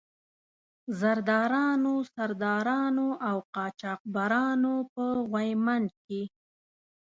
زردارانو، سردارانو او قاچاق برانو په غويمند کې.